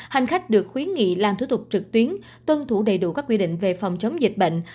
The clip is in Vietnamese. hành khách được khuyến nghị làm thủ tục trực tuyến tuân thủ đầy đủ các quy định về phòng chống dịch bệnh